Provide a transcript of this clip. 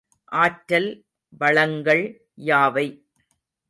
ஆற்றல் வளங்கள் யாவை?